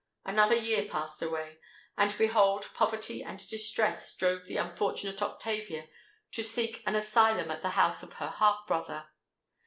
"Another year passed away; and behold, poverty and distress drove the unfortunate Octavia to seek an asylum at the house of her half brother.